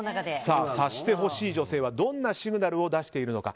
察してほしい女性はどんなシグナルを出しているのか